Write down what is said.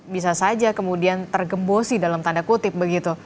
bisa saja kemudian tergembosi dalam tanda kutip begitu